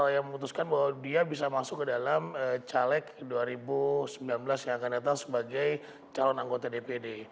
yang memutuskan bahwa dia bisa masuk ke dalam caleg dua ribu sembilan belas yang akan datang sebagai calon anggota dpd